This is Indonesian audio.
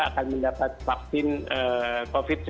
akan mendapat vaksin covid sembilan belas